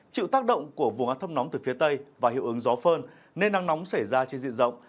chịu tác động của vùng át thâm nóng từ phía tây và hiệu ứng gió phơn nên nắng nóng sẽ ra trên diện rộng